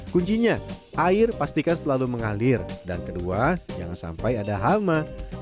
kuncinya air pastikan selalu mengalir dan kedua jangan sampai ada hama